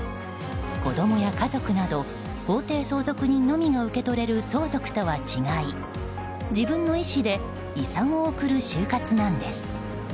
子供や家族など法定相続人のみが受け取れる相続とは違い、自分の意思で遺産を贈る終活なんです。